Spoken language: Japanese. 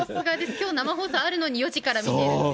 きょう生放送あるのに、４時から見てるっていう。